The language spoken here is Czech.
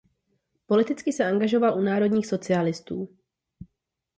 Politicky se angažoval u národních socialistů.